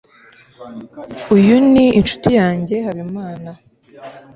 uyu ni inshuti yanjye habimana